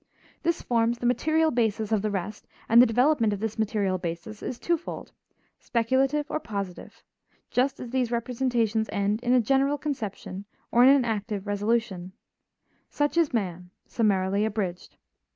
This forms the material basis of the rest and the development of this material basis is twofold, speculative or positive, just as these representations end in a general conception or in an active resolution. Such is man, summarily abridged.